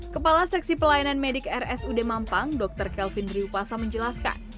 kepala seksi pelayanan medik rsud mampang dr kelvin riupasa menjelaskan